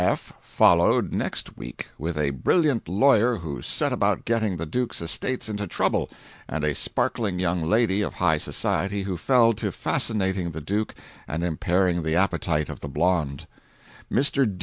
F. followed next week, with a brilliant lawyer who set about getting the Duke's estates into trouble, and a sparkling young lady of high society who fell to fascinating the Duke and impairing the appetite of the blonde. Mr.